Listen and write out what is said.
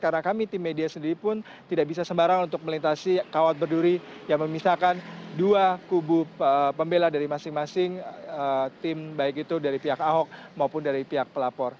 karena kami tim media sendiri pun tidak bisa sembarang untuk melintasi kawat berduri yang memisahkan dua kubu pembela dari masing masing tim baik itu dari pihak ahok maupun dari pihak pelapor